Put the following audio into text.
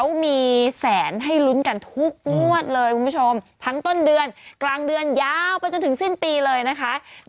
อันดับ๒๕๖๒แจกถึง๑ล้านบาท